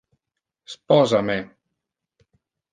Sposa me.